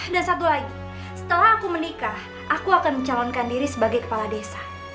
satu lagi setelah aku menikah aku akan mencalonkan diri sebagai kepala desa